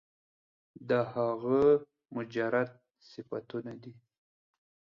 دا هغه مجرد صفتونه دي